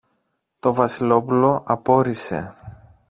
Το Βασιλόπουλο απόρησε.